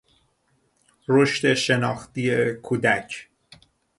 رشد شناختی کودک